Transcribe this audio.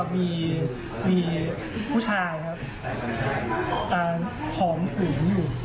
แล้วก็มีผู้ชายของสูงอยู่